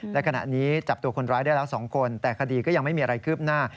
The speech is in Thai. และขณะนี้จับตัวคนร้ายได้แล้ว๒คนแต่คดีก็ยังไม่มีอะไรคืบหน้า